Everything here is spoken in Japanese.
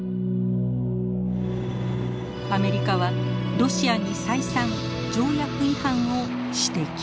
アメリカはロシアに再三条約違反を指摘。